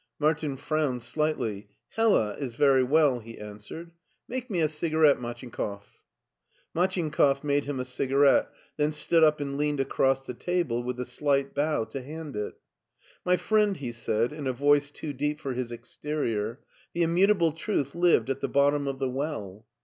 Martin frowned slightly. " Hella is very well," he answered. " Make me a cigarette, Machinkoff !" MachinkoflF made him a cigarette, then stood up and leaned across the table, with a slight bow, to hand it. " My friend," he said, in a voice too deep for his ex r terior, " the immutable truth lived at the bottom of the well."